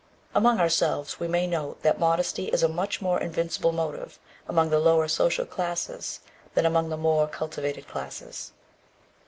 Among ourselves we may note that modesty is a much more invincible motive among the lower social classes than among the more cultivated classes.